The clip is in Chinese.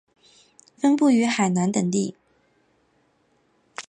分布于海南等地。